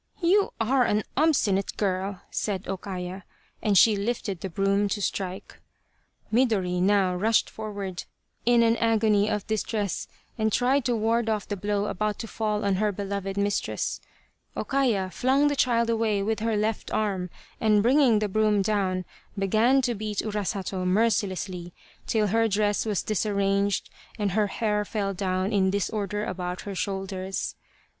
You are an obstinate girl !" said O Kaya, and she lifted the broom to strike. Midori now rushed forward in an agony of distress and tried to ward off the blow about to fall on her beloved mistress. O Kaya flung the child away with her left arm, and bringing the broom down, began to beat Urasato mercilessly till her dress was disarranged and her hair fell down in disorder about her shoulders.